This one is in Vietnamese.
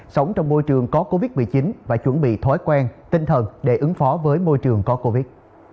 sống trong môi trường có covid một mươi chín và chuẩn bị thói quen tinh thần để ứng phó với môi trường có covid